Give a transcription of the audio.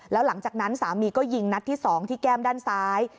แล้วหลังจากนั้นสามีก็ยิงนัดที่๒ที่แก้มด้านซ้าย